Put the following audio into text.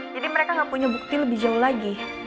jadi mereka gak punya bukti lebih jauh lagi